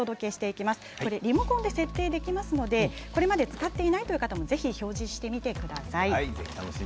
リモコンで設定できますのでこれまで使っていない人も、ぜひ表示してみてください。